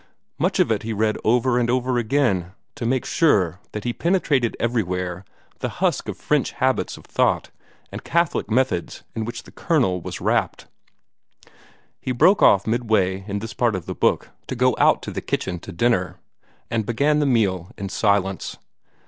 Much of it he read over and over again, to make sure that he penetrated everywhere the husk of French habits of thought and Catholic methods in which the kernel was wrapped. He broke off midway in this part of the book to go out to the kitchen to dinner, and began the meal in silence.